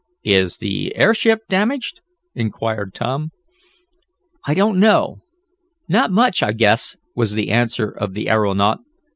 "Is the airship damaged?" inquired Tom. "I don't know. Not much, I guess," was the answer of the aeronaut.